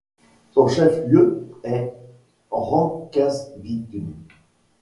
Son chef-lieu est Rangkasbitung.